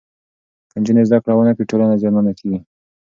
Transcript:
که نجونې زدهکړه ونکړي، ټولنه زیانمنه کېږي.